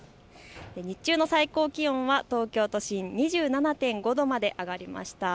日中の最高気温は東京都心、２７．５度まで上がっていました。